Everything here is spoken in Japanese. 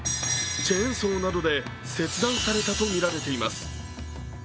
チェーンソーなどで切断されたとみられています。